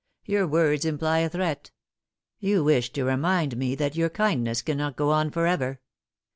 Your words imply a threat. You wish to remind me that your kindness cannot go on for ever."